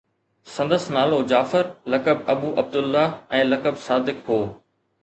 سندس نالو جعفر، لقب ابو عبدالله ۽ لقب صادق هو